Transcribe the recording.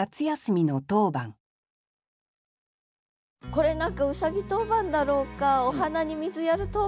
これ何かうさぎ当番だろうかお花に水やる当番だろうか。